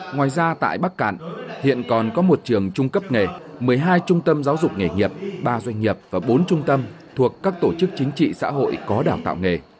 ngoài ra tại bắc cạn hiện còn có một trường trung cấp nghề một mươi hai trung tâm giáo dục nghề nghiệp ba doanh nghiệp và bốn trung tâm thuộc các tổ chức chính trị xã hội có đào tạo nghề